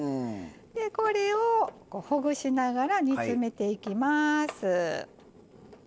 これを、ほぐしながら煮詰めていきます。